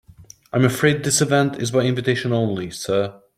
I'm afraid this event is by invitation only, sir.